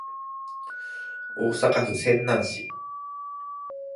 大阪府泉南市